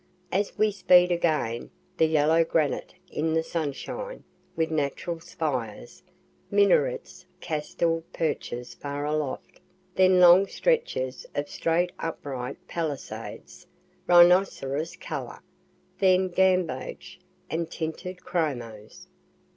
As we speed again, the yellow granite in the sunshine, with natural spires, minarets, castellated perches far aloft then long stretches of straight upright palisades, rhinoceros color then gamboge and tinted chromos.